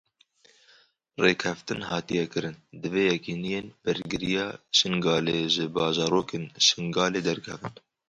Rêkeftin hatiye kirin divê Yekîneyên Bergiriya Şingalê ji bajarokên Şingalê derkevin.